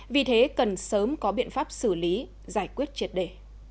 vì thế cần sớm có biện pháp xử lý giải quyết triệt đề